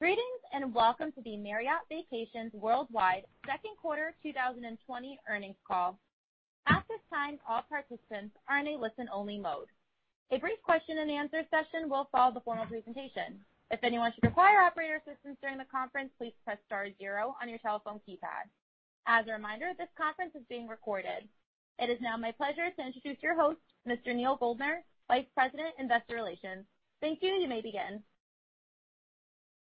Greetings, welcome to the Marriott Vacations Worldwide second quarter 2020 earnings call. At this time, all participants are in a listen-only mode. A brief question and answer session will follow the formal presentation. If anyone should require operator assistance during the conference, please press star zero on your telephone keypad. As a reminder, this conference is being recorded. It is now my pleasure to introduce your host, Mr. Neal Goldner, Vice President, Investor Relations. Thank you. You may begin.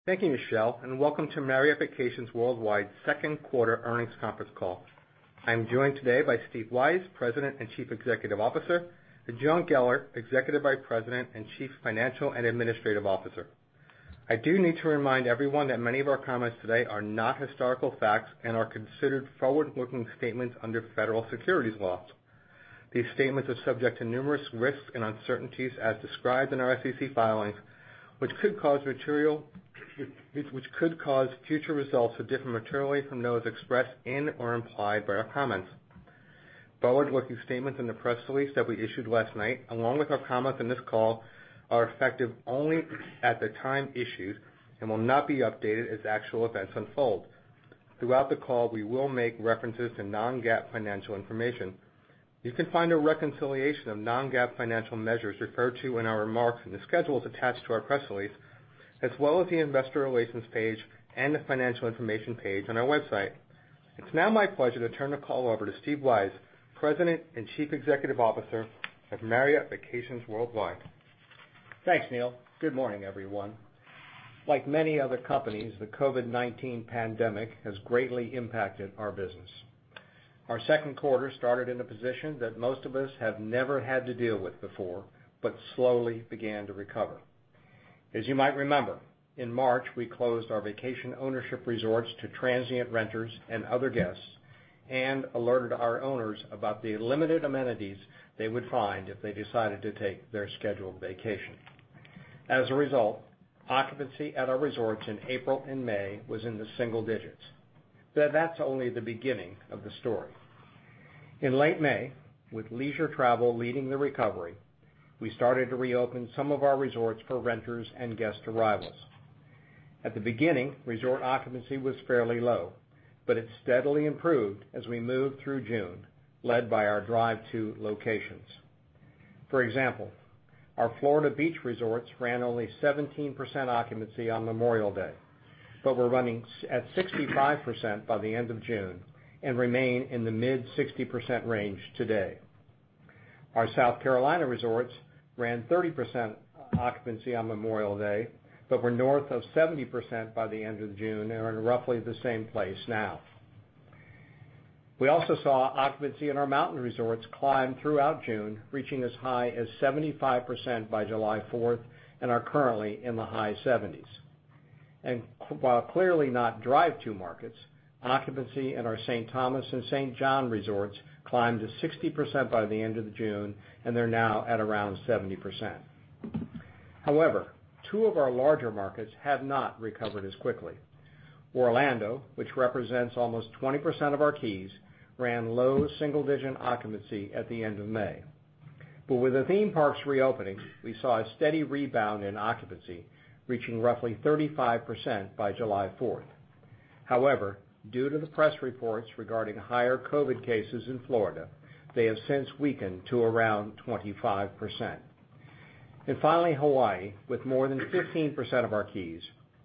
Thank you, Michelle, and welcome to Marriott Vacations Worldwide second quarter earnings conference call. I am joined today by Steve Weisz, President and Chief Executive Officer, and John Geller, Executive Vice President and Chief Financial and Administrative Officer. I do need to remind everyone that many of our comments today are not historical facts and are considered forward-looking statements under federal securities laws. These statements are subject to numerous risks and uncertainties as described in our SEC filings, which could cause future resorts to differ materially from those expressed in or implied by our comments. Forward-looking statements in the press release that we issued last night, along with our comments on this call, are effective only at the time issued and will not be updated as actual events unfold. Throughout the call, we will make references to non-GAAP financial information. You can find a reconciliation of non-GAAP financial measures referred to in our remarks in the schedules attached to our press release, as well as the investor relations page and the financial information page on our website. It's now my pleasure to turn the call over to Stephen Weisz, President and Chief Executive Officer of Marriott Vacations Worldwide. Thanks, Neal. Good morning, everyone. Like many other companies, the COVID-19 pandemic has greatly impacted our business. Our second quarter started in a position that most of us have never had to deal with before, but slowly began to recover. As you might remember, in March, we closed our vacation ownership resorts to transient renters and other guests and alerted our owners about the limited amenities they would find if they decided to take their scheduled vacation. As a result, occupancy at our resorts in April and May was in the single digits. That's only the beginning of the story. In late May, with leisure travel leading the recovery, we started to reopen some of our resorts for renters and guest arrivals. At the beginning, resort occupancy was fairly low, but it steadily improved as we moved through June, led by our drive-to locations. For example, our Florida beach resorts ran only 17% occupancy on Memorial Day, but were running at 65% by the end of June and remain in the mid-60% range today. Our South Carolina resorts ran 30% occupancy on Memorial Day, but were north of 70% by the end of June and are in roughly the same place now. We also saw occupancy in our mountain resorts climb throughout June, reaching as high as 75% by July 4th and are currently in the high 70s. While clearly not drive-to markets, occupancy in our St. Thomas and St. John resorts climbed to 60% by the end of June, and they're now at around 70%. However, two of our larger markets have not recovered as quickly. Orlando, which represents almost 20% of our keys, ran low single-digit occupancy at the end of May. With the theme parks reopening, we saw a steady rebound in occupancy, reaching roughly 35% by July 4th. However, due to the press reports regarding higher COVID cases in Florida, they have since weakened to around 25%. Finally, Hawaii, with more than 15% of our keys,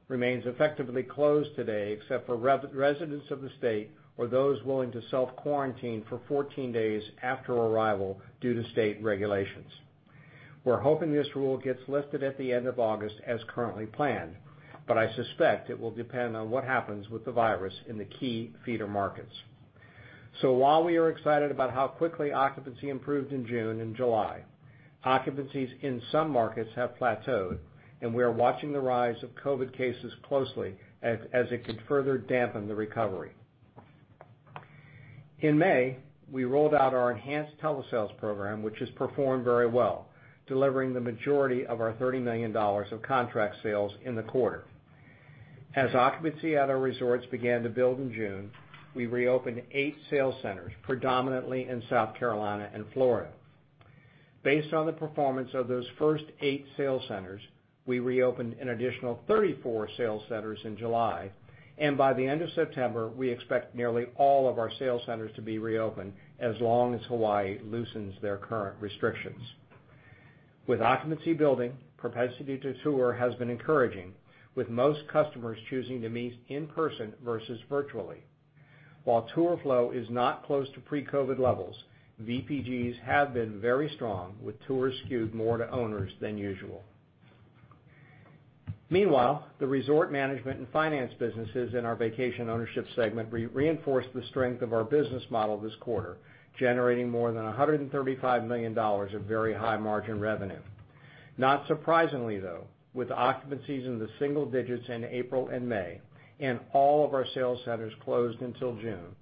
remains effectively closed today except for residents of the state or those willing to self-quarantine for 14 days after arrival due to state regulations. We're hoping this rule gets lifted at the end of August as currently planned, but I suspect it will depend on what happens with the virus in the key feeder markets. While we are excited about how quickly occupancy improved in June and July, occupancies in some markets have plateaued, and we are watching the rise of COVID cases closely as it could further dampen the recovery. In May, we rolled out our enhanced telesales program, which has performed very well, delivering the majority of our $30 million of contract sales in the quarter. As occupancy at our resorts began to build in June, we reopened eight sales centers, predominantly in South Carolina and Florida. Based on the performance of those first eight sales centers, we reopened an additional 34 sales centers in July, and by the end of September, we expect nearly all of our sales centers to be reopened as long as Hawaii loosens their current restrictions. With occupancy building, propensity to tour has been encouraging, with most customers choosing to meet in person versus virtually. While tour flow is not close to pre-COVID-19 levels, VPGs have been very strong, with tours skewed more to owners than usual. The resort management and finance businesses in our vacation ownership segment reinforced the strength of our business model this quarter, generating more than $135 million of very high-margin revenue. Not surprisingly, though, with occupancies in the single digits in April and May and all of our sales centers closed until June,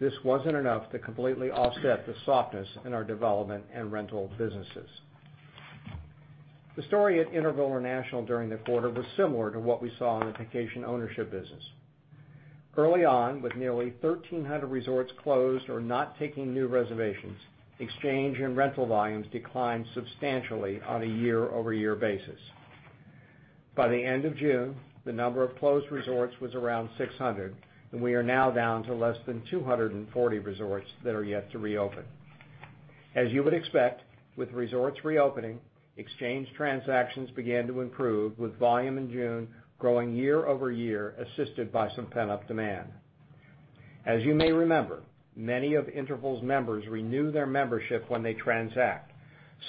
this wasn't enough to completely offset the softness in our development and rental businesses. The story at Interval International during the quarter was similar to what we saw in the vacation ownership business. Early on, with nearly 1,300 resorts closed or not taking new reservations, exchange and rental volumes declined substantially on a year-over-year basis. By the end of June, the number of closed resorts was around 600, and we are now down to less than 240 resorts that are yet to reopen. As you would expect with resorts reopening, exchange transactions began to improve, with volume in June growing year-over-year, assisted by some pent-up demand. As you may remember, many of Interval's members renew their membership when they transact.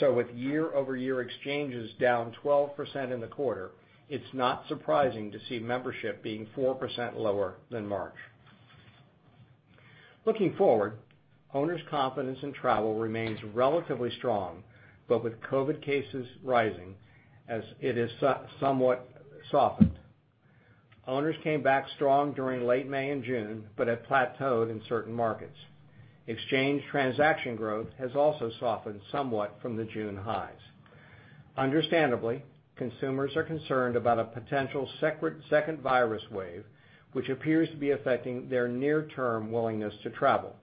With year-over-year exchanges down 12% in the quarter, it's not surprising to see membership being 4% lower than March. Looking forward, owners' confidence in travel remains relatively strong, but with COVID cases rising, it has somewhat softened. Owners came back strong during late May and June, but have plateaued in certain markets. Exchange transaction growth has also softened somewhat from the June highs. Understandably, consumers are concerned about a potential second virus wave, which appears to be affecting their near-term willingness to travel.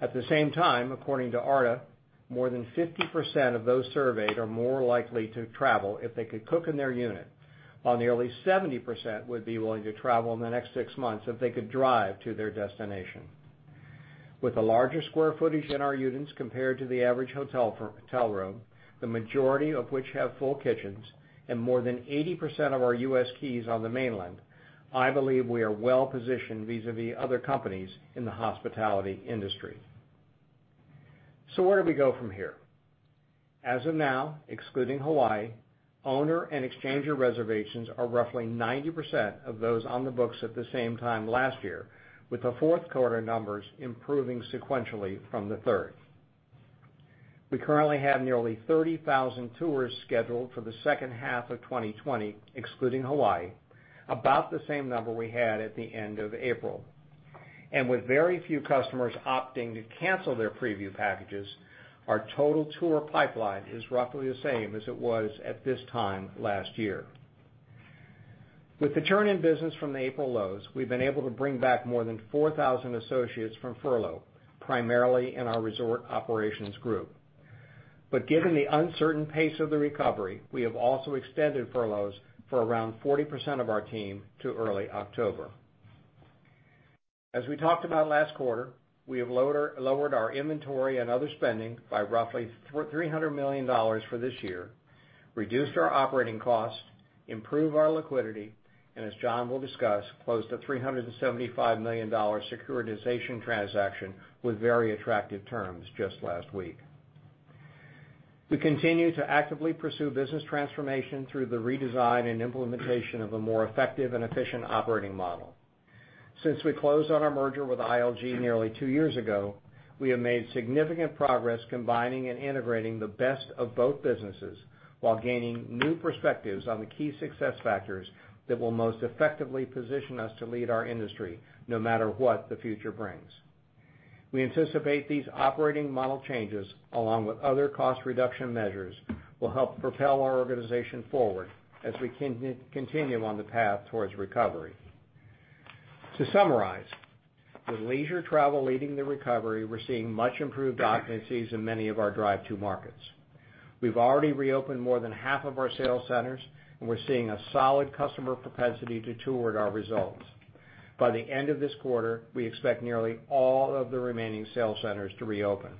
At the same time, according to ARDA, more than 50% of those surveyed are more likely to travel if they could cook in their unit, while nearly 70% would be willing to travel in the next six months if they could drive to their destination. With the larger square footage in our units compared to the average hotel room, the majority of which have full kitchens, and more than 80% of our U.S. keys on the mainland, I believe we are well-positioned vis-à-vis other companies in the hospitality industry. Where do we go from here? As of now, excluding Hawaii, owner and exchanger reservations are roughly 90% of those on the books at the same time last year, with the fourth quarter numbers improving sequentially from the third. We currently have nearly 30,000 tours scheduled for the second half of 2020, excluding Hawaii, about the same number we had at the end of April. With very few customers opting to cancel their preview packages, our total tour pipeline is roughly the same as it was at this time last year. With the turn in business from the April lows, we've been able to bring back more than 4,000 associates from furlough, primarily in our resort operations group. Given the uncertain pace of the recovery, we have also extended furloughs for around 40% of our team to early October. As we talked about last quarter, we have lowered our inventory and other spending by roughly $300 million for this year, reduced our operating costs, improved our liquidity, and as John will discuss, closed a $375 million securitization transaction with very attractive terms just last week. We continue to actively pursue business transformation through the redesign and implementation of a more effective and efficient operating model. Since we closed on our merger with ILG nearly two years ago, we have made significant progress combining and integrating the best of both businesses while gaining new perspectives on the key success factors that will most effectively position us to lead our industry, no matter what the future brings. We anticipate these operating model changes, along with other cost reduction measures, will help propel our organization forward as we continue on the path towards recovery. To summarize, with leisure travel leading the recovery, we're seeing much improved occupancies in many of our drive to markets. We've already reopened more than half of our sales centers, and we're seeing a solid customer propensity to tour our results. By the end of this quarter, we expect nearly all of the remaining sales centers to reopen.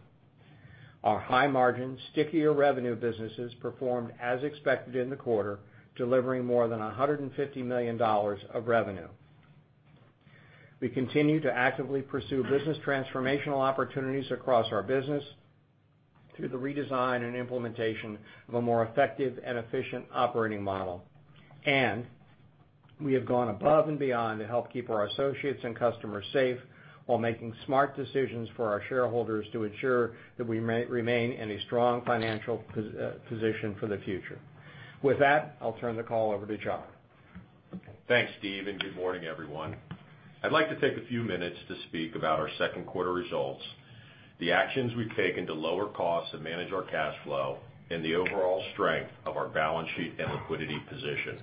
Our high-margin, stickier revenue businesses performed as expected in the quarter, delivering more than $150 million of revenue. We continue to actively pursue business transformational opportunities across our business through the redesign and implementation of a more effective and efficient operating model. We have gone above and beyond to help keep our associates and customers safe while making smart decisions for our shareholders to ensure that we remain in a strong financial position for the future. With that, I'll turn the call over to John. Thanks, Stephen. Good morning, everyone. I'd like to take a few minutes to speak about our second quarter results, the actions we've taken to lower costs and manage our cash flow, and the overall strength of our balance sheet and liquidity position.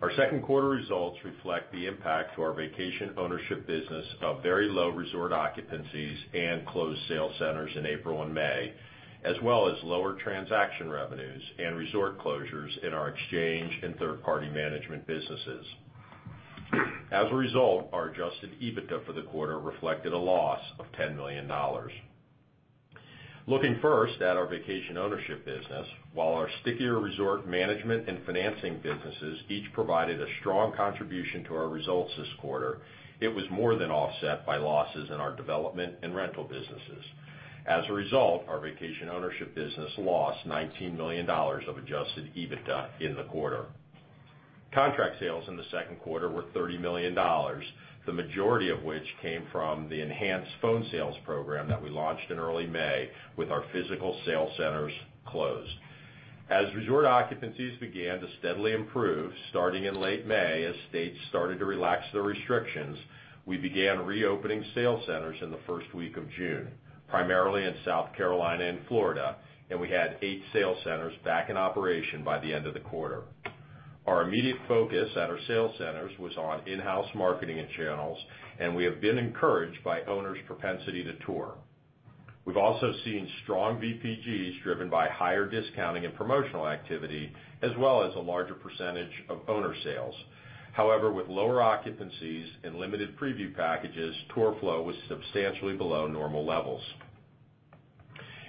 Our second quarter results reflect the impact to our vacation ownership business of very low resort occupancies and closed sale centers in April and May, as well as lower transaction revenues and resort closures in our exchange and third-party management businesses. Our adjusted EBITDA for the quarter reflected a loss of $10 million. Looking first at our vacation ownership business, while our stickier resort management and financing businesses each provided a strong contribution to our results this quarter, it was more than offset by losses in our development and rental businesses. Our vacation ownership business lost $19 million of adjusted EBITDA in the quarter. Contract sales in the second quarter were $30 million, the majority of which came from the enhanced phone sales program that we launched in early May with our physical sales centers closed. Resort occupancies began to steadily improve starting in late May as states started to relax their restrictions, we began reopening sales centers in the first week of June, primarily in South Carolina and Florida, and we had eight sales centers back in operation by the end of the quarter. Our immediate focus at our sales centers was on in-house marketing and channels, and we have been encouraged by owners' propensity to tour. We've also seen strong VPGs driven by higher discounting and promotional activity, as well as a larger percentage of owner sales. However, with lower occupancies and limited preview packages, tour flow was substantially below normal levels.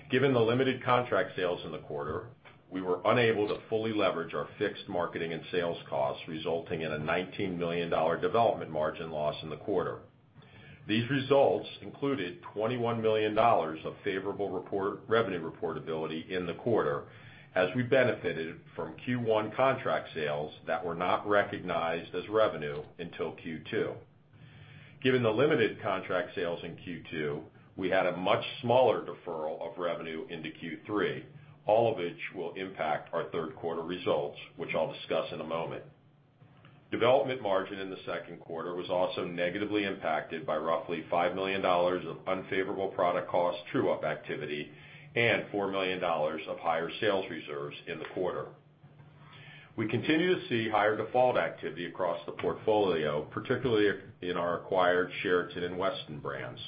Given the limited contract sales in the quarter, we were unable to fully leverage our fixed marketing and sales costs, resulting in a $19 million development margin loss in the quarter. These results included $21 million of favorable revenue reportability in the quarter, as we benefited from Q1 contract sales that were not recognized as revenue until Q2. Given the limited contract sales in Q2, we had a much smaller deferral of revenue into Q3, all of which will impact our third quarter results, which I'll discuss in a moment. Development margin in the second quarter was also negatively impacted by roughly $5 million of unfavorable product cost true-up activity and $4 million of higher sales reserves in the quarter. We continue to see higher default activity across the portfolio, particularly in our acquired Sheraton and Westin brands.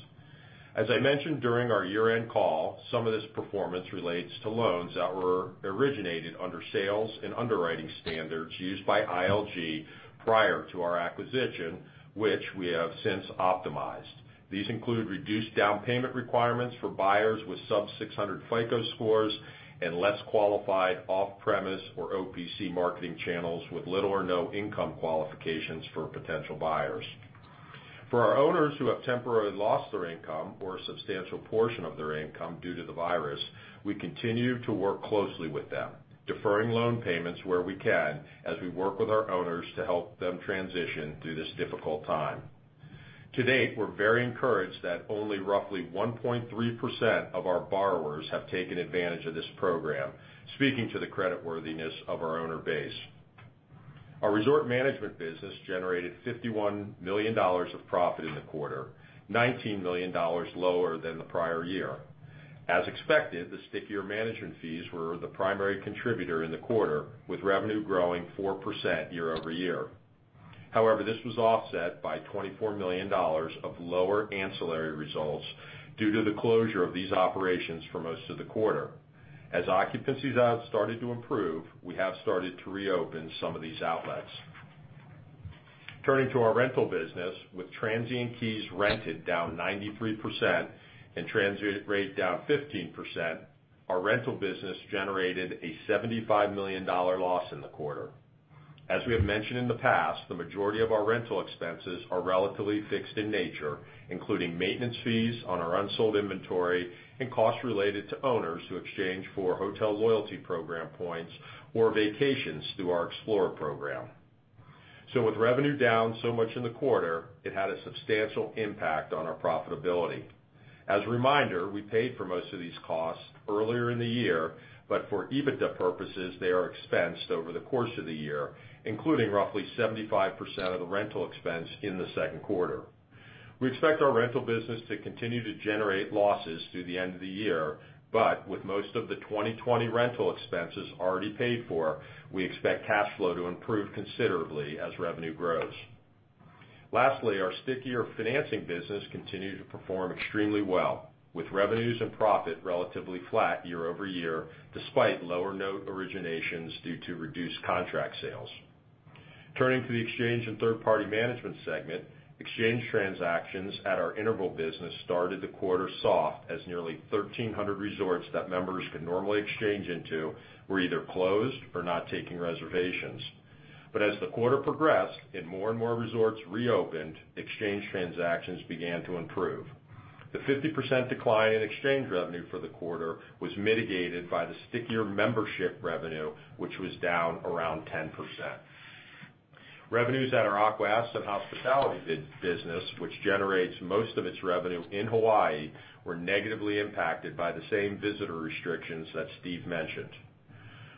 As I mentioned during our year-end call, some of this performance relates to loans that were originated under sales and underwriting standards used by ILG prior to our acquisition, which we have since optimized. These include reduced down payment requirements for buyers with sub-600 FICO scores and less qualified off-premise or OPC marketing channels with little or no income qualifications for potential buyers. For our owners who have temporarily lost their income or a substantial portion of their income due to the virus, we continue to work closely with them, deferring loan payments where we can as we work with our owners to help them transition through this difficult time. To date, we're very encouraged that only roughly 1.3% of our borrowers have taken advantage of this program, speaking to the creditworthiness of our owner base. Our resort management business generated $51 million of profit in the quarter, $19 million lower than the prior year. As expected, the stickier management fees were the primary contributor in the quarter, with revenue growing 4% year-over-year. However, this was offset by $24 million of lower ancillary results due to the closure of these operations for most of the quarter. As occupancies have started to improve, we have started to reopen some of these outlets. Turning to our rental business, with transient keys rented down 93% and transient rate down 15%, our rental business generated a $75 million loss in the quarter. As we have mentioned in the past, the majority of our rental expenses are relatively fixed in nature, including maintenance fees on our unsold inventory and costs related to owners who exchange for hotel loyalty program points or vacations through our Explorer program. With revenue down so much in the quarter, it had a substantial impact on our profitability. As a reminder, we paid for most of these costs earlier in the year, but for EBITDA purposes, they are expensed over the course of the year, including roughly 75% of the rental expense in the second quarter. We expect our rental business to continue to generate losses through the end of the year, but with most of the 2020 rental expenses already paid for, we expect cash flow to improve considerably as revenue grows. Lastly, our stickier financing business continued to perform extremely well, with revenues and profit relatively flat year-over-year, despite lower note originations due to reduced contract sales. Turning to the exchange and third-party management segment, exchange transactions at our Interval business started the quarter soft, as nearly 1,300 resorts that members could normally exchange into were either closed or not taking reservations. As the quarter progressed and more and more resorts reopened, exchange transactions began to improve. The 50% decline in exchange revenue for the quarter was mitigated by the stickier membership revenue, which was down around 10%. Revenues at our Aqua-Aston Hospitality business, which generates most of its revenue in Hawaii, were negatively impacted by the same visitor restrictions that Steve mentioned.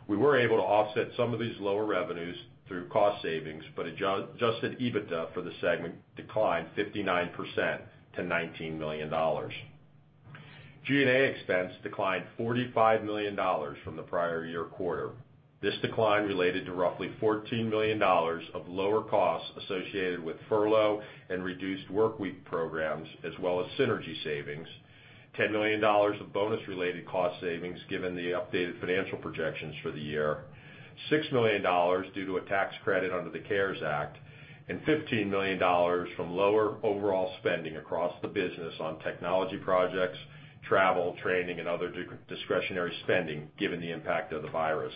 We were able to offset some of these lower revenues through cost savings, but adjusted EBITDA for the segment declined 59% to $19 million. G&A expense declined $45 million from the prior year quarter. This decline related to roughly $14 million of lower costs associated with furlough and reduced workweek programs, as well as synergy savings, $10 million of bonus-related cost savings given the updated financial projections for the year, $6 million due to a tax credit under the CARES Act, and $15 million from lower overall spending across the business on technology projects, travel, training, and other discretionary spending given the impact of the virus.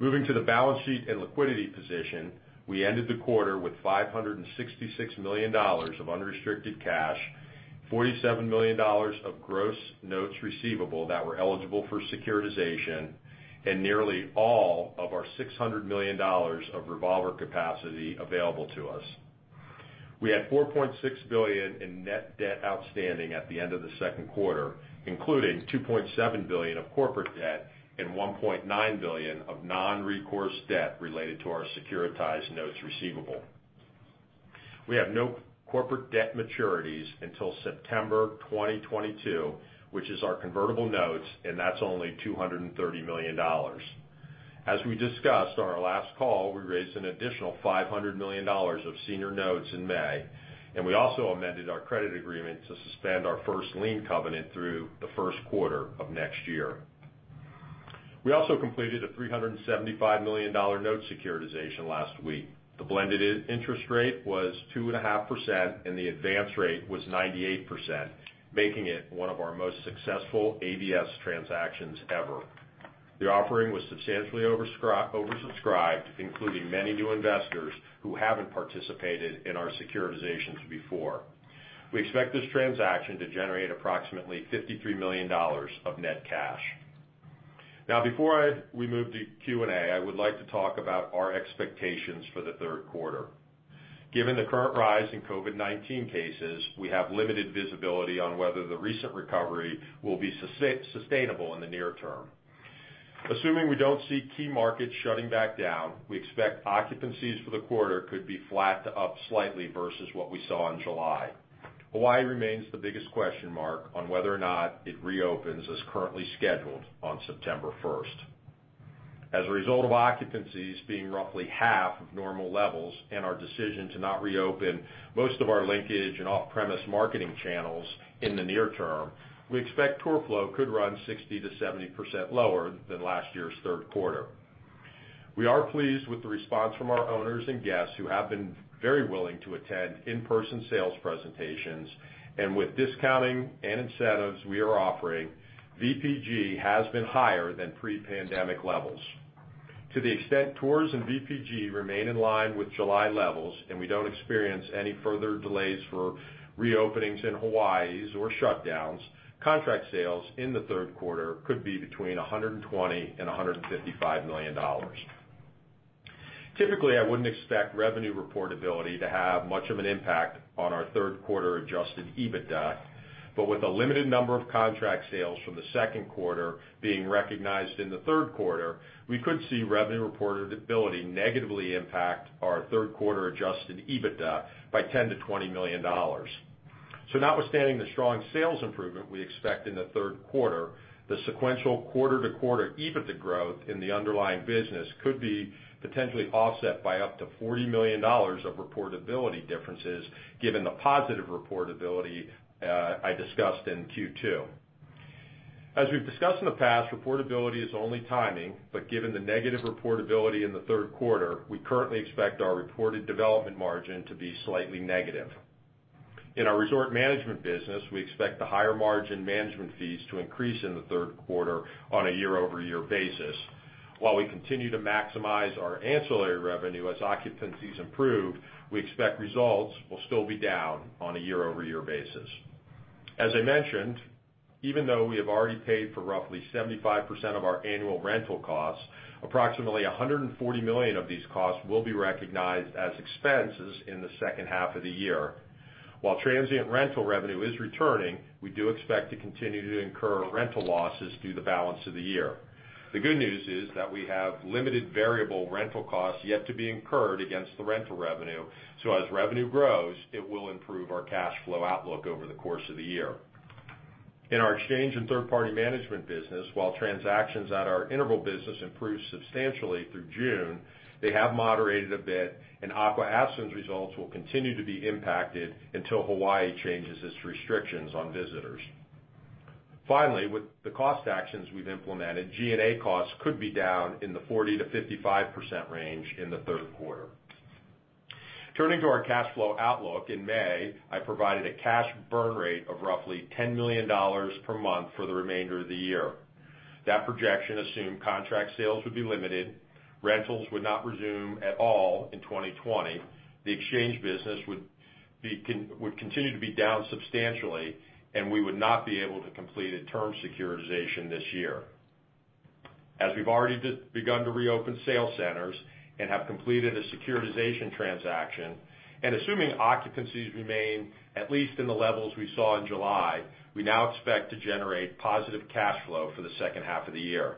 Moving to the balance sheet and liquidity position, we ended the quarter with $566 million of unrestricted cash, $47 million of gross notes receivable that were eligible for securitization, and nearly all of our $600 million of revolver capacity available to us. We had $4.6 billion in net debt outstanding at the end of the second quarter, including $2.7 billion of corporate debt and $1.9 billion of non-recourse debt related to our securitized notes receivable. We have no corporate debt maturities until September 2022, which is our convertible notes, and that's only $230 million. As we discussed on our last call, we raised an additional $500 million of senior notes in May, and we also amended our credit agreement to suspend our first lien covenant through the first quarter of next year. We also completed a $375 million note securitization last week. The blended interest rate was 2.5% and the advance rate was 98%, making it one of our most successful ABS transactions ever. The offering was substantially oversubscribed, including many new investors who haven't participated in our securitizations before. We expect this transaction to generate approximately $53 million of net cash. Now, before we move to Q&A, I would like to talk about our expectations for the third quarter. Given the current rise in COVID-19 cases, we have limited visibility on whether the recent recovery will be sustainable in the near term. Assuming we don't see key markets shutting back down, we expect occupancies for the quarter could be flat to up slightly versus what we saw in July. Hawaii remains the biggest question mark on whether or not it reopens as currently scheduled on September 1st. As a result of occupancies being roughly half of normal levels and our decision to not reopen most of our linkage and off-premise marketing channels in the near term, we expect tour flow could run 60%-70% lower than last year's third quarter. We are pleased with the response from our owners and guests who have been very willing to attend in-person sales presentations, and with discounting and incentives we are offering, VPG has been higher than pre-pandemic levels. To the extent tours and VPG remain in line with July levels, and we don't experience any further delays for reopenings in Hawaii or shutdowns, contract sales in the third quarter could be between $120 million and $155 million. Typically, I wouldn't expect revenue reportability to have much of an impact on our third quarter adjusted EBITDA, but with a limited number of contract sales from the second quarter being recognized in the third quarter, we could see revenue reportability negatively impact our third quarter adjusted EBITDA by $10 million-$20 million. Notwithstanding the strong sales improvement we expect in the third quarter, the sequential quarter-to-quarter EBITDA growth in the underlying business could be potentially offset by up to $40 million of reportability differences given the positive reportability I discussed in Q2. As we've discussed in the past, reportability is only timing, but given the negative reportability in the third quarter, we currently expect our reported development margin to be slightly negative. In our resort management business, we expect the higher margin management fees to increase in the third quarter on a year-over-year basis. While we continue to maximize our ancillary revenue as occupancies improve, we expect results will still be down on a year-over-year basis. As I mentioned, even though we have already paid for roughly 75% of our annual rental costs, approximately $140 million of these costs will be recognized as expenses in the second half of the year. While transient rental revenue is returning, we do expect to continue to incur rental losses through the balance of the year. The good news is that we have limited variable rental costs yet to be incurred against the rental revenue, so as revenue grows, it will improve our cash flow outlook over the course of the year. In our exchange and third-party management business, while transactions at our Interval business improved substantially through June, they have moderated a bit, and Aqua-Aston's results will continue to be impacted until Hawaii changes its restrictions on visitors. Finally, with the cost actions we've implemented, G&A costs could be down in the 40%-55% range in the third quarter. Turning to our cash flow outlook, in May, I provided a cash burn rate of roughly $10 million per month for the remainder of the year. That projection assumed contract sales would be limited, rentals would not resume at all in 2020, the exchange business would continue to be down substantially, and we would not be able to complete a term securitization this year. As we've already begun to reopen sales centers and have completed a securitization transaction, and assuming occupancies remain at least in the levels we saw in July, we now expect to generate positive cash flow for the second half of the year.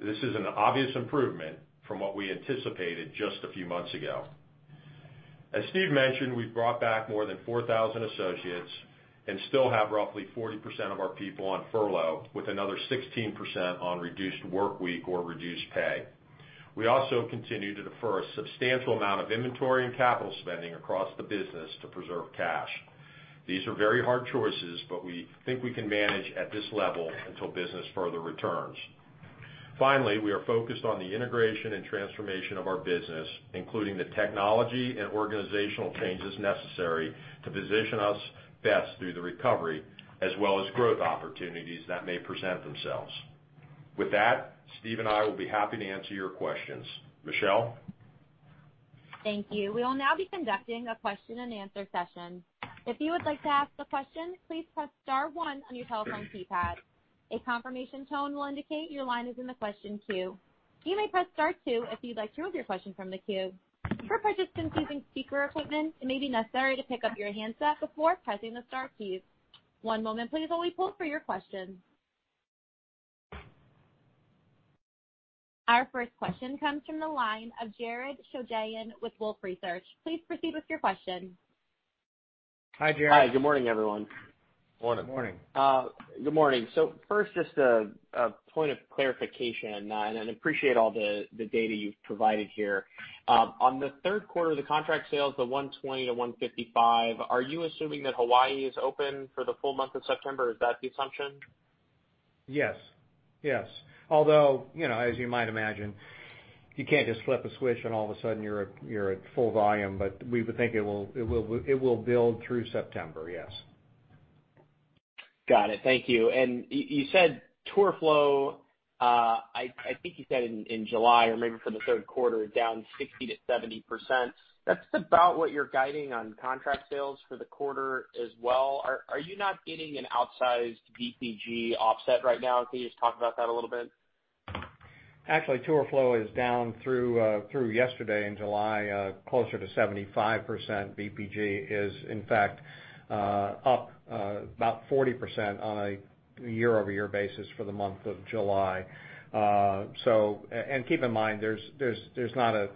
This is an obvious improvement from what we anticipated just a few months ago. As Steve mentioned, we've brought back more than 4,000 associates and still have roughly 40% of our people on furlough, with another 16% on reduced workweek or reduced pay. We also continue to defer a substantial amount of inventory and capital spending across the business to preserve cash. These are very hard choices. We think we can manage at this level until business further returns. Finally, we are focused on the integration and transformation of our business, including the technology and organizational changes necessary to position us best through the recovery, as well as growth opportunities that may present themselves. With that, Steve and I will be happy to answer your questions. Michelle? Thank you. We will now be conducting a question and answer session. If you would like to ask a question, please press star one on your telephone keypad. A confirmation tone will indicate your line is in the question queue. You may press star two if you'd like to remove your question from the queue. For participants using speaker equipment, it may be necessary to pick up your handset before pressing the star keys. One moment please while we pull for your question. Our first question comes from the line of Jared Shojaian with Wolfe Research. Please proceed with your question Hi, Jared. Hi. Good morning, everyone. Morning. Morning. Good morning. First, just a point of clarification, and I appreciate all the data you've provided here. On the third quarter, the contract sales, the $120-$155, are you assuming that Hawaii is open for the full month of September? Is that the assumption? Yes. As you might imagine, you can't just flip a switch and all of a sudden you're at full volume. We would think it will build through September, yes. Got it. Thank you. You said tour flow, I think you said in July or maybe for the third quarter, down 60%-70%. That's about what you're guiding on contract sales for the quarter as well. Are you not getting an outsized VPG offset right now? Can you just talk about that a little bit? Actually, tour flow is down through yesterday in July, closer to 75%. VPG is, in fact, up about 40% on a year-over-year basis for the month of July. Keep in mind, there's not a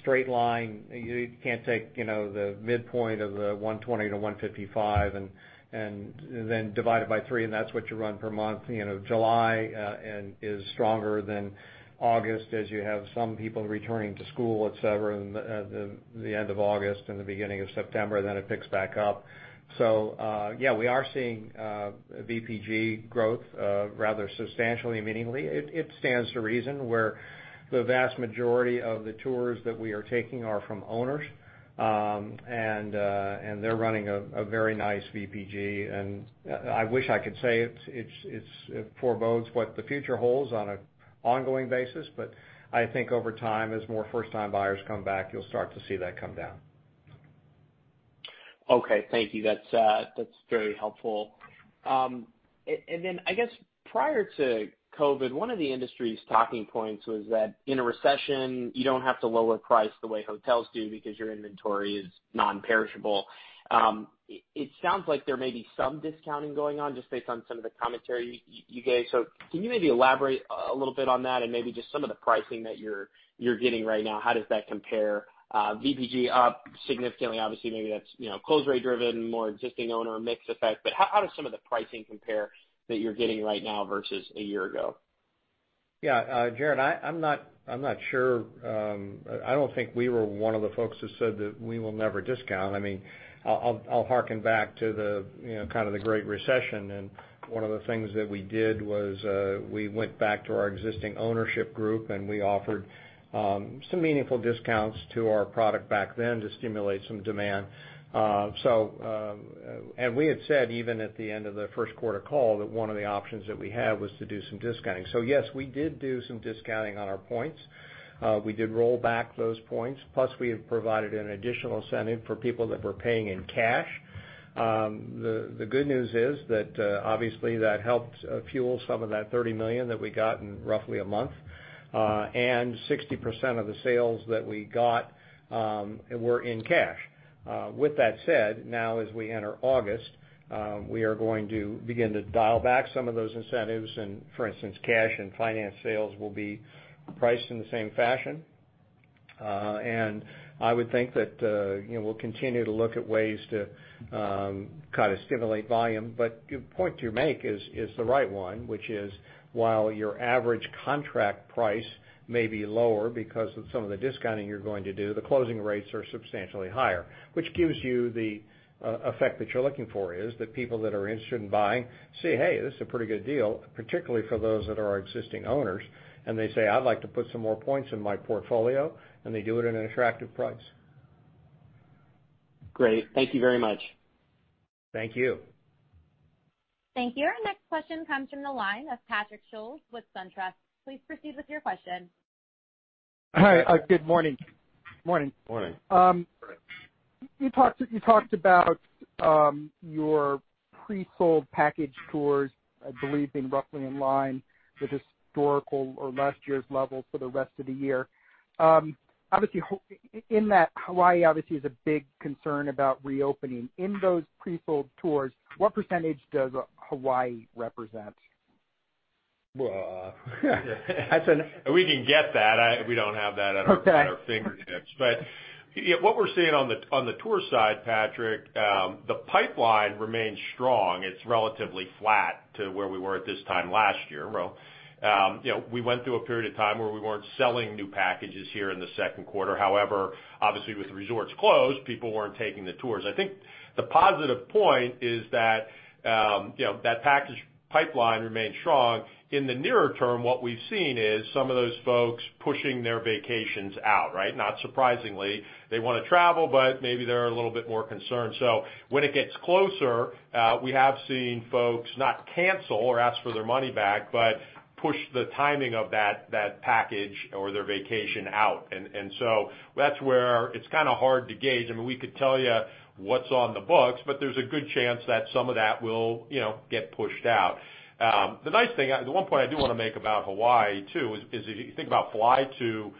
straight line. You can't take the midpoint of the 120-155 and then divide it by three and that's what you run per month. July is stronger than August as you have some people returning to school, et cetera, in the end of August and the beginning of September, then it picks back up. Yeah, we are seeing VPG growth rather substantially, meaningfully. It stands to reason where the vast majority of the tours that we are taking are from owners, and they're running a very nice VPG, and I wish I could say it forebodes what the future holds on an ongoing basis. I think over time, as more first-time buyers come back, you'll start to see that come down. Okay. Thank you. That's very helpful. I guess prior to COVID, one of the industry's talking points was that in a recession, you don't have to lower price the way hotels do because your inventory is non-perishable. It sounds like there may be some discounting going on just based on some of the commentary you gave. Can you maybe elaborate a little bit on that and maybe just some of the pricing that you're getting right now? How does that compare? VPG up significantly. Obviously maybe that's close rate driven, more existing owner mix effect, but how does some of the pricing compare that you're getting right now versus a year ago? Yeah. Jared, I'm not sure. I don't think we were one of the folks that said that we will never discount. I'll harken back to the great recession. One of the things that we did was, we went back to our existing ownership group. We offered some meaningful discounts to our product back then to stimulate some demand. We had said even at the end of the first quarter call that one of the options that we had was to do some discounting. Yes, we did do some discounting on our points. We did roll back those points. Plus, we have provided an additional incentive for people that were paying in cash. The good news is that, obviously that helped fuel some of that $30 million that we got in roughly a month. 60% of the sales that we got were in cash. With that said, now as we enter August, we are going to begin to dial back some of those incentives and for instance, cash and finance sales will be priced in the same fashion. I would think that we'll continue to look at ways to stimulate volume. Your point you make is the right one, which is while your average contract price may be lower because of some of the discounting you're going to do, the closing rates are substantially higher, which gives you the effect that you're looking for is that people that are interested in buying say, "Hey, this is a pretty good deal," particularly for those that are our existing owners, and they say, "I'd like to put some more points in my portfolio," and they do it at an attractive price. Great. Thank you very much. Thank you. Thank you. Our next question comes from the line of Patrick Scholes with SunTrust. Please proceed with your question. Hi. Good morning. Morning. Morning. You talked about your pre-sold package tours, I believe being roughly in line with historical or last year's level for the rest of the year. In that, Hawaii obviously is a big concern about reopening. In those pre-sold tours, what % does Hawaii represent? We can get that. We don't have that at our fingertips. Okay. What we're seeing on the tour side, Patrick, the pipeline remains strong. It's relatively flat to where we were at this time last year. We went through a period of time where we weren't selling new packages here in the second quarter. However, obviously with the resorts closed, people weren't taking the tours. I think the positive point is that that package pipeline remains strong. In the nearer term, what we've seen is some of those folks pushing their vacations out, right? Not surprisingly, they want to travel, but maybe they're a little bit more concerned. When it gets closer, we have seen folks not cancel or ask for their money back, but push the timing of that package or their vacation out. That's where it's kind of hard to gauge. We could tell you what's on the books, but there's a good chance that some of that will get pushed out. The one point I do want to make about Hawaii, too, is if you think about fly-to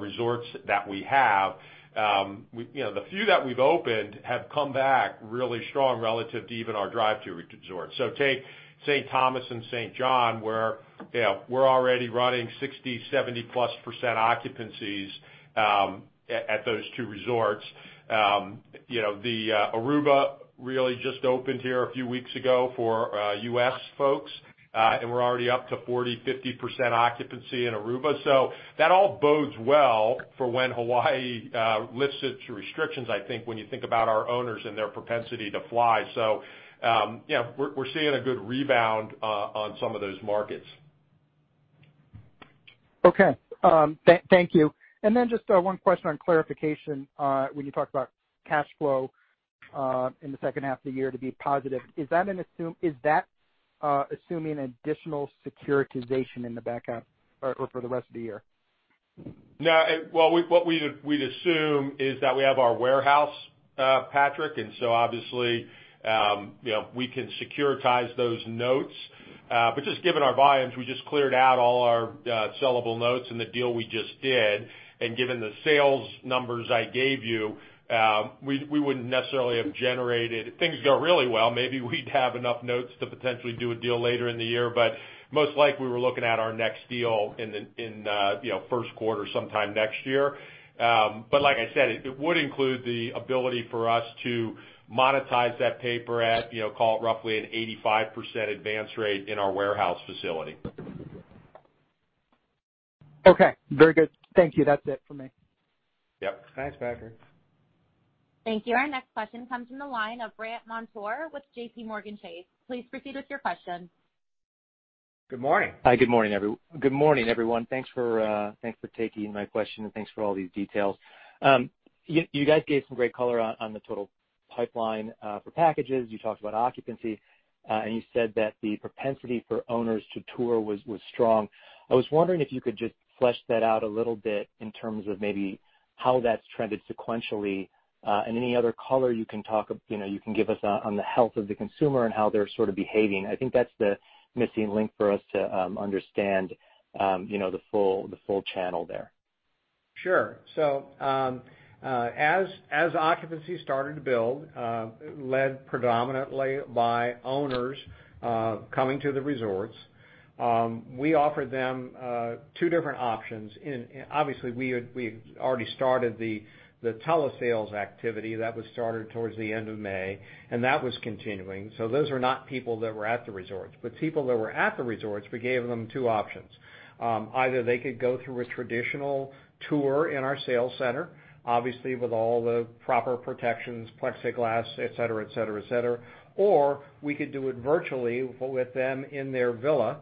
resorts that we have, the few that we've opened have come back really strong relative to even our drive-to resorts. Take St. Thomas and St. John, where we're already running 60%, 70%+ occupancies at those two resorts. Aruba really just opened here a few weeks ago for U.S. folks, we're already up to 40%, 50% occupancy in Aruba. That all bodes well for when Hawaii lifts its restrictions, I think, when you think about our owners and their propensity to fly. We're seeing a good rebound on some of those markets. Okay. Thank you. Just one question on clarification, when you talk about cash flow, in the second half of the year to be positive, is that assuming additional securitization in the back half or for the rest of the year? No. Well, what we'd assume is that we have our warehouse, Patrick. Obviously, we can securitize those notes. Given our volumes, we just cleared out all our sellable notes in the deal we just did. Given the sales numbers I gave you, we wouldn't necessarily have generated If things go really well, maybe we'd have enough notes to potentially do a deal later in the year. Most likely, we're looking at our next deal in the first quarter sometime next year. Like I said, it would include the ability for us to monetize that paper at, call it roughly an 85% advance rate in our warehouse facility. Okay. Very good. Thank you. That's it for me. Yep. Thanks, Patrick. Thank you. Our next question comes from the line of Brandt Montour with JPMorgan Chase. Please proceed with your question. Good morning. Hi. Good morning, everyone. Thanks for taking my question, and thanks for all these details. You guys gave some great color on the total pipeline for packages. You talked about occupancy. You said that the propensity for owners to tour was strong. I was wondering if you could just flesh that out a little bit in terms of maybe how that's trended sequentially, and any other color you can give us on the health of the consumer and how they're sort of behaving. I think that's the missing link for us to understand the full channel there. Sure. As occupancy started to build, led predominantly by owners coming to the resorts, we offered them two different options. Obviously, we had already started the telesales activity that was started towards the end of May, and that was continuing. Those are not people that were at the resorts. People that were at the resorts, we gave them two options. Either they could go through a traditional tour in our sales center, obviously with all the proper protections, plexiglass, et cetera. We could do it virtually with them in their villa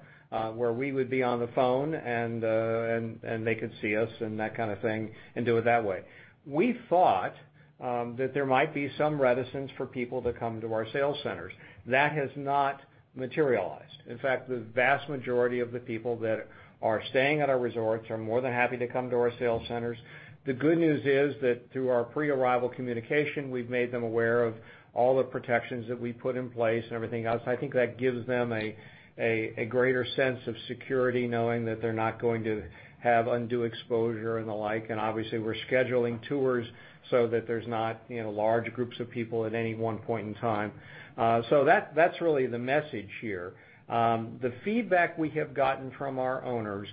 where we would be on the phone and they could see us and that kind of thing, and do it that way. We thought that there might be some reticence for people to come to our sales centers. That has not materialized. In fact, the vast majority of the people that are staying at our resorts are more than happy to come to our sales centers. The good news is that through our pre-arrival communication, we've made them aware of all the protections that we've put in place and everything else. I think that gives them a greater sense of security knowing that they're not going to have undue exposure and the like, and obviously we're scheduling tours so that there's not large groups of people at any one point in time. That's really the message here. The feedback we have gotten from our owners,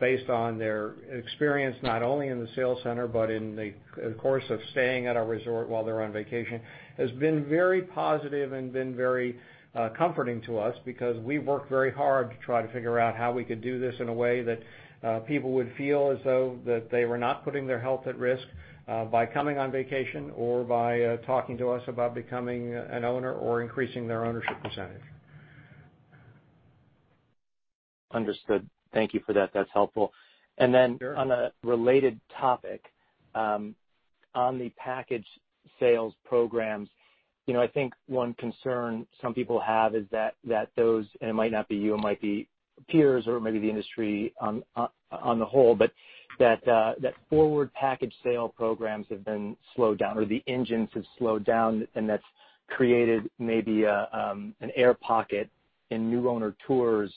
based on their experience, not only in the sales center but in the course of staying at our resort while they're on vacation, has been very positive and been very comforting to us because we've worked very hard to try to figure out how we could do this in a way that people would feel as though that they were not putting their health at risk by coming on vacation or by talking to us about becoming an owner or increasing their ownership percentage. Understood. Thank you for that. That's helpful. Sure. On a related topic, on the package sales programs, I think one concern some people have is that those, and it might not be you, it might be peers or it might be the industry on the whole, but that forward package sale programs have been slowed down or the engines have slowed down, and that's created maybe an air pocket in new owner tours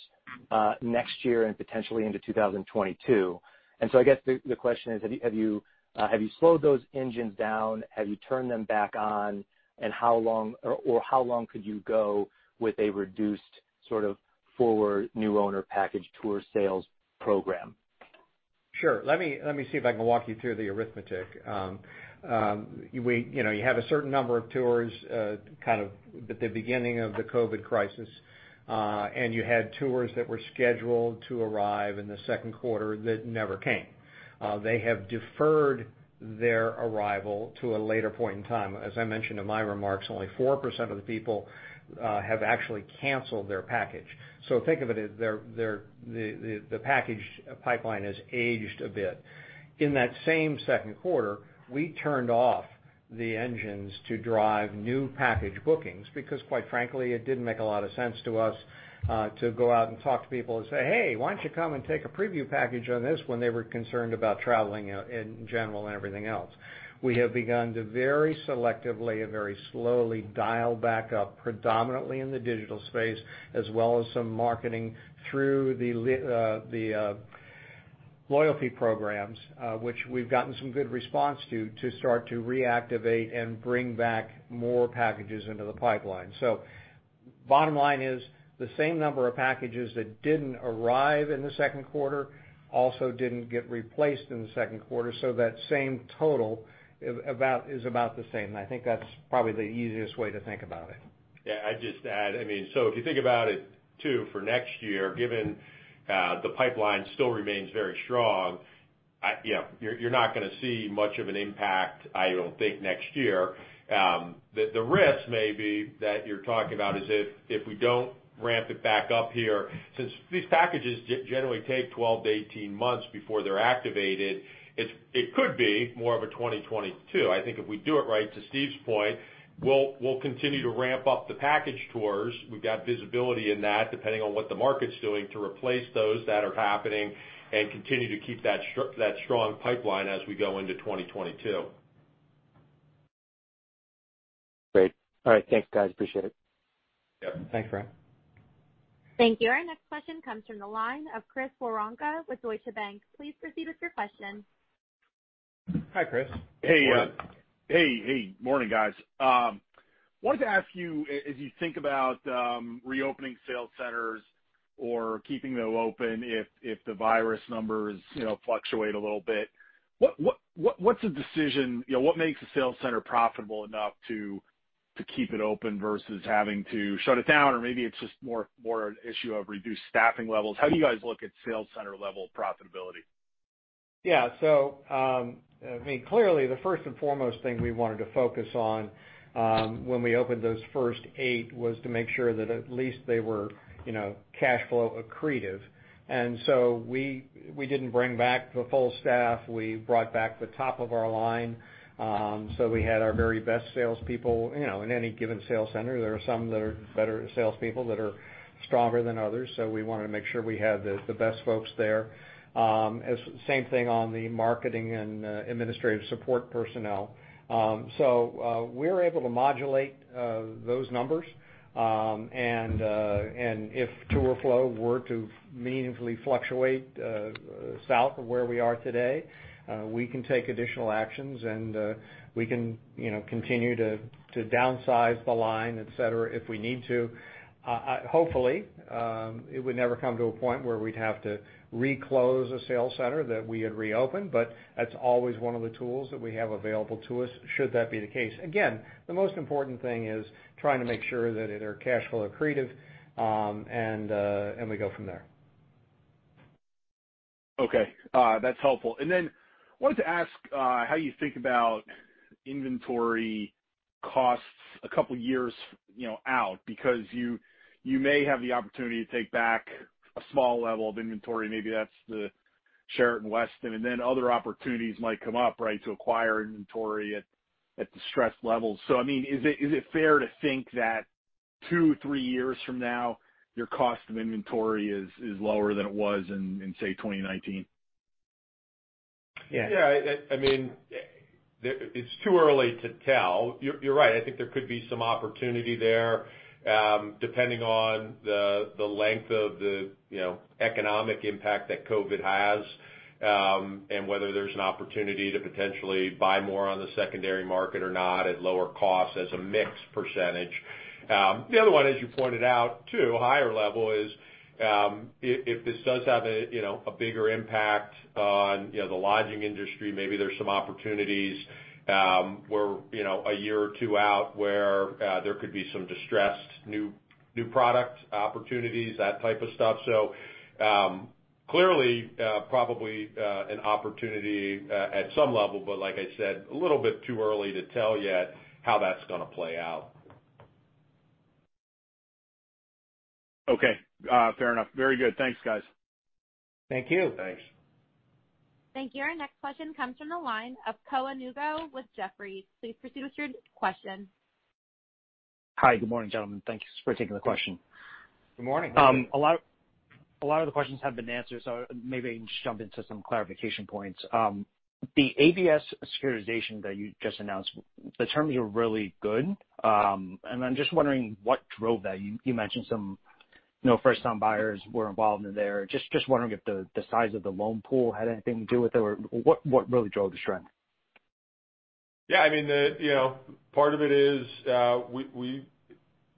next year and potentially into 2022. I guess the question is, have you slowed those engines down? Have you turned them back on? How long could you go with a reduced sort of forward new owner package tour sales program? Sure. Let me see if I can walk you through the arithmetic. You have a certain number of tours kind of at the beginning of the COVID crisis, and you had tours that were scheduled to arrive in the second quarter that never came. They have deferred their arrival to a later point in time. As I mentioned in my remarks, only 4% of the people have actually canceled their package. Think of it as the package pipeline has aged a bit. In that same second quarter, we turned off the engines to drive new package bookings because quite frankly, it didn't make a lot of sense to us to go out and talk to people and say, "Hey, why don't you come and take a preview package on this?" when they were concerned about traveling in general and everything else. We have begun to very selectively and very slowly dial back up predominantly in the digital space as well as some marketing through the loyalty programs, which we've gotten some good response to start to reactivate and bring back more packages into the pipeline. Bottom line is the same number of packages that didn't arrive in the second quarter also didn't get replaced in the second quarter. That same total is about the same. I think that's probably the easiest way to think about it. Yeah, I'd just add, if you think about it too for next year, given the pipeline still remains very strong. Yeah. You're not going to see much of an impact, I don't think, next year. The risk may be that you're talking about is if we don't ramp it back up here, since these packages generally take 12-18 months before they're activated, it could be more of a 2022. I think if we do it right, to Steve's point, we'll continue to ramp up the package tours. We've got visibility in that depending on what the market's doing to replace those that are happening and continue to keep that strong pipeline as we go into 2022. Great. All right, thanks guys, appreciate it. Yep. Thanks Brandt. Thank you. Our next question comes from the line of Chris Woronka with Deutsche Bank. Please proceed with your question. Hi, Chris. Morning. Hey. Morning, guys. I wanted to ask you, as you think about reopening sales centers or keeping them open if the virus numbers fluctuate a little bit, what makes a sales center profitable enough to keep it open versus having to shut it down? Maybe it's just more an issue of reduced staffing levels. How do you guys look at sales center level profitability? Yeah. Clearly the first and foremost thing we wanted to focus on, when we opened those first eight, was to make sure that at least they were cash flow accretive. We didn't bring back the full staff. We brought back the top of our line. We had our very best salespeople. In any given sales center, there are some that are better salespeople that are stronger than others. We wanted to make sure we had the best folks there. Same thing on the marketing and administrative support personnel. We were able to modulate those numbers. If tour flow were to meaningfully fluctuate south of where we are today, we can take additional actions and we can continue to downsize the line, et cetera, if we need to. Hopefully, it would never come to a point where we'd have to re-close a sales center that we had reopened, but that's always one of the tools that we have available to us, should that be the case. Again, the most important thing is trying to make sure that they're cash flow accretive, and we go from there. Okay. That's helpful. Wanted to ask how you think about inventory costs a couple years out, because you may have the opportunity to take back a small level of inventory. Maybe that's the Sheraton Westin, and then other opportunities might come up, right, to acquire inventory at distressed levels. Is it fair to think that two, three years from now, your cost of inventory is lower than it was in, say, 2019? Yeah. Yeah. It's too early to tell. You're right, I think there could be some opportunity there, depending on the length of the economic impact that COVID has, and whether there's an opportunity to potentially buy more on the secondary market or not at lower costs as a mixed percentage. The other one, as you pointed out too, higher level is, if this does have a bigger impact on the lodging industry, maybe there's some opportunities where a year or two out where there could be some distressed new product opportunities, that type of stuff. Clearly, probably an opportunity at some level, but like I said, a little bit too early to tell yet how that's going to play out. Okay. Fair enough. Very good. Thanks, guys. Thank you. Thanks. Thank you. Our next question comes from the line of Khoa Ngo with Jefferies. Please proceed with your question. Hi. Good morning, gentlemen. Thank you for taking the question. Good morning. A lot of the questions have been answered. Maybe I can just jump into some clarification points. The ABS securitization that you just announced, the terms are really good. I'm just wondering what drove that. You mentioned some first time buyers were involved in there. Just wondering if the size of the loan pool had anything to do with it, or what really drove the strength? Yeah. Part of it is, we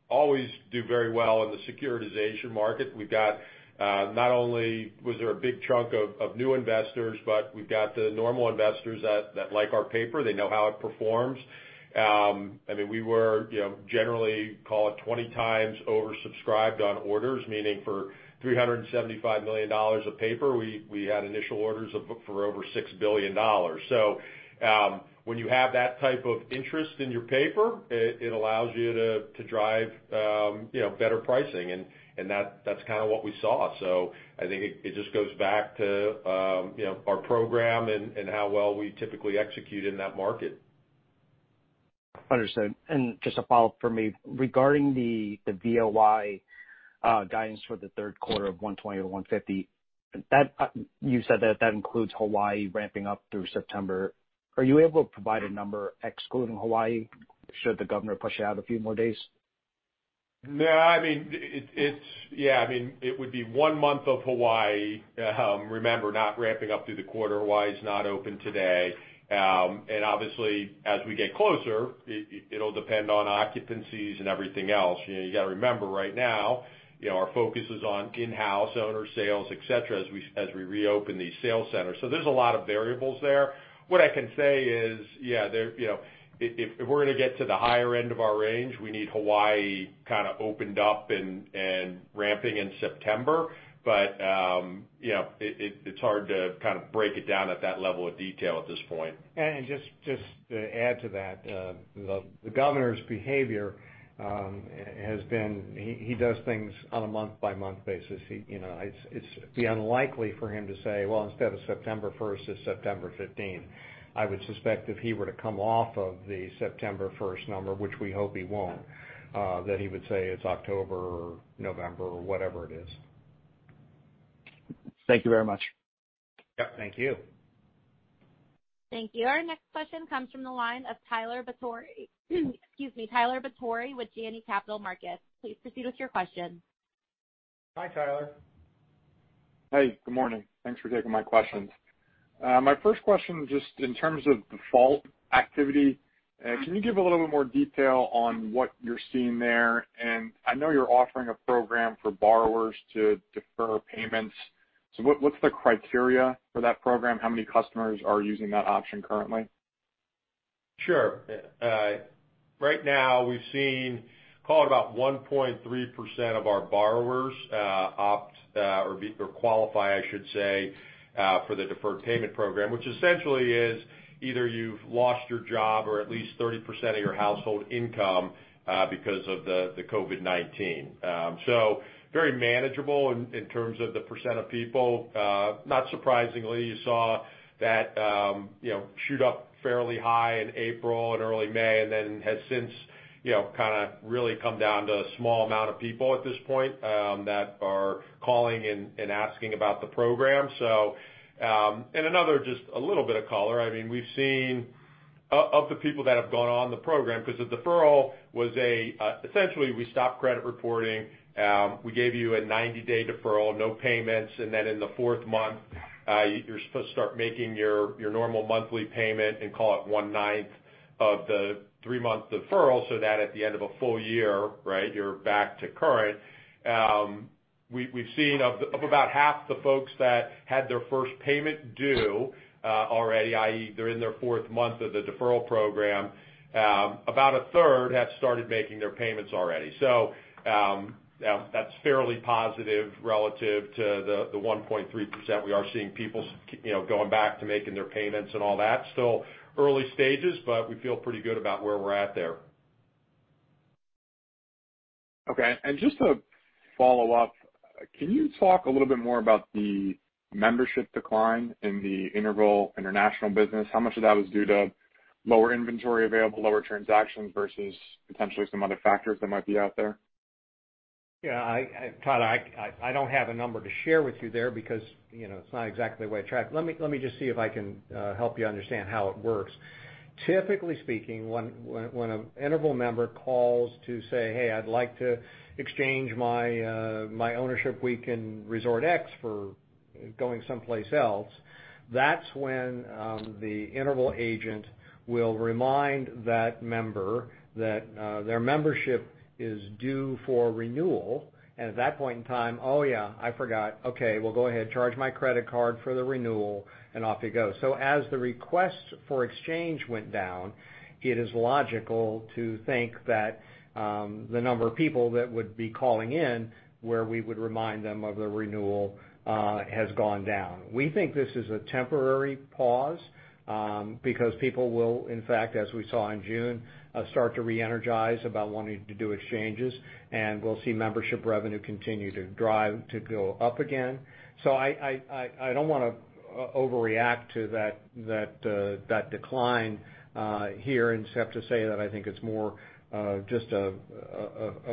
always do very well in the securitization market. Not only was there a big chunk of new investors, we've got the normal investors that like our paper. They know how it performs. We were generally, call it 20 times oversubscribed on orders. Meaning for $375 million of paper, we had initial orders for over $6 billion. When you have that type of interest in your paper, it allows you to drive better pricing and that's kind of what we saw. I think it just goes back to our program and how well we typically execute in that market. Understood. Just a follow-up for me, regarding the VOI guidance for the third quarter of $120-$150. You said that includes Hawaii ramping up through September. Are you able to provide a number excluding Hawaii should the governor push out a few more days? No, it would be one month of Hawaii. Remember, not ramping up through the quarter. Hawaii is not open today. Obviously, as we get closer, it'll depend on occupancies and everything else. You got to remember, right now, our focus is on in-house owner sales, et cetera, as we reopen these sales centers. There's a lot of variables there. What I can say is, if we're going to get to the higher end of our range, we need Hawaii kind of opened up and ramping in September. It's hard to kind of break it down at that level of detail at this point. Just to add to that, the governor's behavior. He does things on a month-by-month basis. It's unlikely for him to say, "Well, instead of September 1st, it's September 15." I would suspect if he were to come off of the September 1st number, which we hope he won't, that he would say it's October or November or whatever it is. Thank you very much. Yep, thank you. Thank you. Our next question comes from the line of Tyler Batory with Janney Montgomery Scott. Please proceed with your question. Hi, Tyler. Hey, good morning. Thanks for taking my questions. My first question, just in terms of default activity, can you give a little bit more detail on what you're seeing there? I know you're offering a program for borrowers to defer payments. What's the criteria for that program? How many customers are using that option currently? Sure. Right now, we've seen call it about 1.3% of our borrowers opt or qualify, I should say, for the deferred payment program, which essentially is either you've lost your job or at least 30% of your household income because of the COVID-19. Very manageable in terms of the percent of people. Not surprisingly, you saw that shoot up fairly high in April and early May, and then has since kind of really come down to a small amount of people at this point that are calling and asking about the program. Another just a little bit of color. Of the people that have gone on the program, because the deferral was essentially, we stopped credit reporting. We gave you a 90-day deferral, no payments, and then in the fourth month, you're supposed to start making your normal monthly payment and call it one ninth of the three-month deferral, so that at the end of a full year, you're back to current. We've seen of about half the folks that had their first payment due already, i.e., they're in their fourth month of the deferral program, about a third have started making their payments already. That's fairly positive relative to the 1.3%. We are seeing people going back to making their payments and all that. Still early stages, but we feel pretty good about where we're at there. Okay. Just to follow up, can you talk a little bit more about the membership decline in the Interval International business? How much of that was due to lower inventory available, lower transactions, versus potentially some other factors that might be out there? Tyler, I don't have a number to share with you there because it's not exactly the way I track. Let me just see if I can help you understand how it works. Typically speaking, when an Interval member calls to say, "Hey, I'd like to exchange my ownership week in resort X for going someplace else," that's when the Interval agent will remind that member that their membership is due for renewal and at that point in time, "Oh, yeah, I forgot. Okay, well, go ahead, charge my credit card for the renewal," and off it goes. As the request for exchange went down, it is logical to think that the number of people that would be calling in, where we would remind them of the renewal, has gone down. We think this is a temporary pause because people will, in fact, as we saw in June, start to reenergize about wanting to do exchanges. We'll see membership revenue continue to go up again. I don't want to overreact to that decline here and have to say that I think it's more just a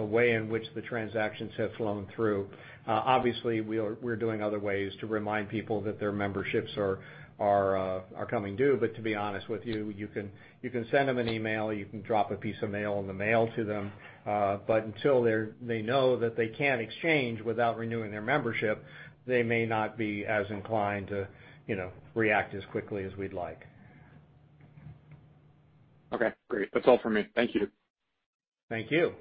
way in which the transactions have flown through. Obviously, we're doing other ways to remind people that their memberships are coming due. To be honest with you can send them an email, you can drop a piece of mail in the mail to them. Until they know that they can't exchange without renewing their membership, they may not be as inclined to react as quickly as we'd like. Okay, great. That's all for me. Thank you. Thank you.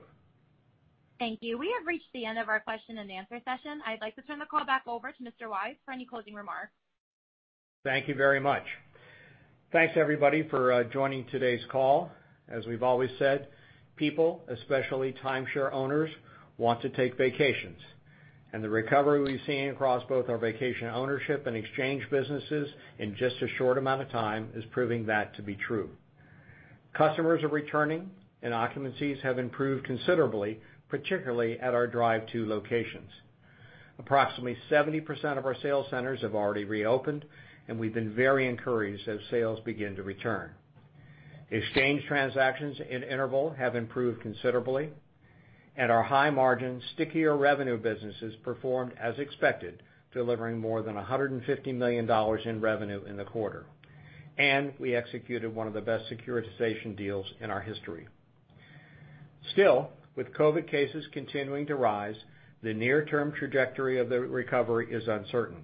Thank you. We have reached the end of our question and answer session. I'd like to turn the call back over to Mr. Weisz for any closing remarks. Thank you very much. Thanks, everybody, for joining today's call. As we've always said, people, especially timeshare owners, want to take vacations. The recovery we've seen across both our vacation ownership and exchange businesses in just a short amount of time is proving that to be true. Customers are returning, and occupancies have improved considerably, particularly at our drive-to locations. Approximately 70% of our sales centers have already reopened, and we've been very encouraged as sales begin to return. Exchange transactions in Interval have improved considerably, and our high margin, stickier revenue businesses performed as expected, delivering more than $150 million in revenue in the quarter. We executed one of the best securitization deals in our history. Still, with COVID cases continuing to rise, the near-term trajectory of the recovery is uncertain.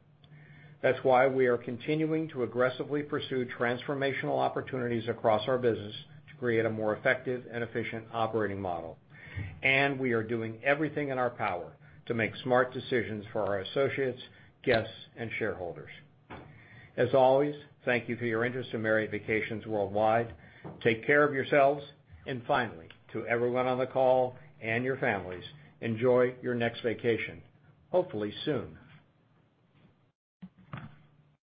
That's why we are continuing to aggressively pursue transformational opportunities across our business to create a more effective and efficient operating model. We are doing everything in our power to make smart decisions for our associates, guests, and shareholders. As always, thank you for your interest in Marriott Vacations Worldwide. Take care of yourselves, and finally, to everyone on the call and your families, enjoy your next vacation, hopefully soon.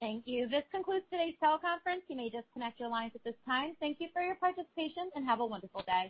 Thank you. This concludes today's call conference. You may disconnect your lines at this time. Thank you for your participation, and have a wonderful day.